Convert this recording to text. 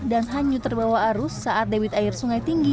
dan hanyut terbawa arus saat dewid air sungai tinggi